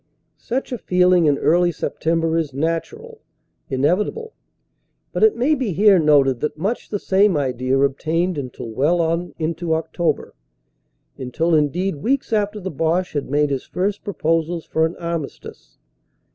Such a feeling in early September is natural, inevitable. But it may be here noted that much the same idea obtained 188 CANADA S HUNDRED DAYS until well on into October, until indeed weeks after the Boche had made his first proposals for an armistice.